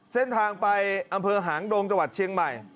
เส้นทางไปอำเภอหางดงจังหวัดเชียงใหม่